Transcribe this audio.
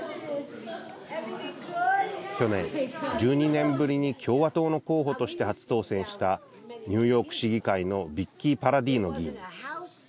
去年１２年ぶりに共和党の候補として初当選したニューヨーク市議会のヴィッキー・パラディーノ議員。